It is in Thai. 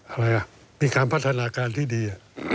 อะไรอ่ะมีการพัฒนาการที่ดี